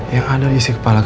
yang ada di isi kepala kamu